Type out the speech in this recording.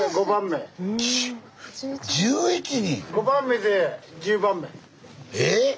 １１人⁉え？